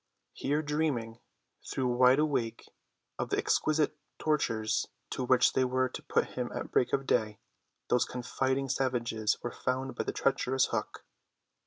Here dreaming, though wide awake, of the exquisite tortures to which they were to put him at break of day, those confiding savages were found by the treacherous Hook.